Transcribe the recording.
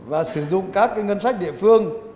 và sử dụng các cái ngân sách địa phương